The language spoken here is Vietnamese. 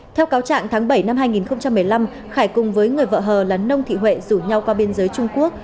theo cáo trạng tháng bảy năm hai nghìn một mươi năm khải cùng với người vợ hờ là nông thị huệ rủ nhau qua biên giới trung quốc